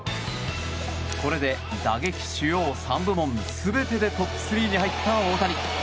これで打撃主要３部門全てでトップ３に入った大谷。